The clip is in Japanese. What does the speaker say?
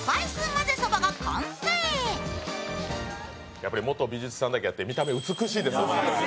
やっぱり元美術さんだけあって、見た目、美しいです、ホントに。